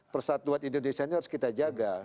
persatuan indonesia ini harus kita jaga